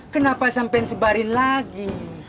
kenapa sampein sebarin lagi